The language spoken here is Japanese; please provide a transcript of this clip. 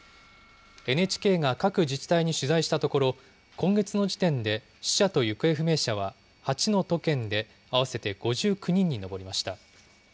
ＮＨＫが各自治体に取材したところ、今月の時点で死者と行方不明者は、８の都県で合わせて５９人に上りました。